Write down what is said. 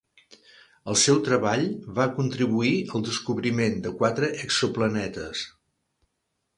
El seu treball va contribuir al descobriment de quatre exoplanetes.